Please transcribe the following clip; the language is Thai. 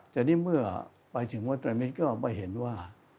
แต่นี่เมื่อไปถึงวัดตรมิตรก็ไปเห็นว่า